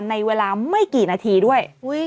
ในเวลาไม่กี่นาทีด้วย